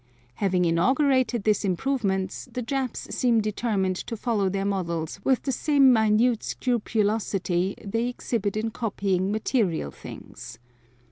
Having inaugurated these improvements, the Japs seem determined to follow their models with the same minute scrupulosity they exhibit in copying material things.